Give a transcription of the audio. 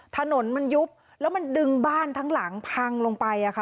ถนนมันยุบแล้วมันดึงบ้านทั้งหลังพังลงไปอะค่ะ